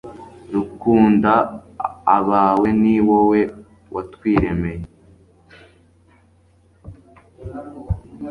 rukunda abawe ni wowe watwiremeye